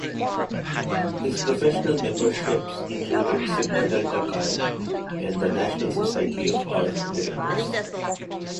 His professional memberships included Sigma Delta Chi and the National Society of Art Directors.